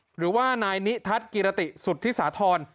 หรือว่านายนิทัศน์กิรติสุธิสาธร